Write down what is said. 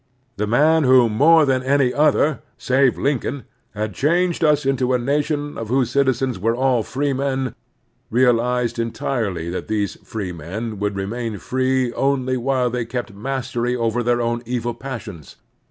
The man who more than any other, save Lincoln, had changed us into a nation whose citizens were all freemen, realized entirely that these freemen would remain free only while they kept mastery over their own evil passions.